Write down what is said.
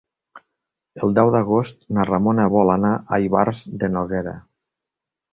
El deu d'agost na Ramona vol anar a Ivars de Noguera.